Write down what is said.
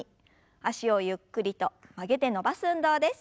脚をゆっくりと曲げて伸ばす運動です。